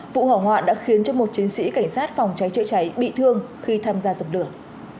vụ hỏa hoạn đã khiến một chiến sĩ cảnh sát phòng cháy trợ cháy bị thương khi tham gia dập đường